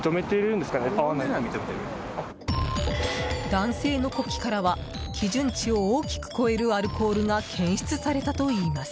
男性の呼気からは基準値を大きく超えるアルコールが検出されたといいます。